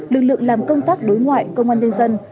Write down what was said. lực lượng làm công tác đối ngoại công an nhân dân